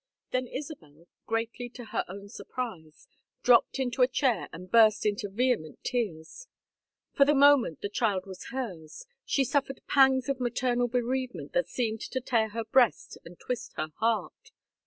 Then Isabel, greatly to her own surprise, dropped into a chair and burst into vehement tears. For the moment the child was hers, she suffered pangs of maternal bereavement that seemed to tear her breast and twist her heart.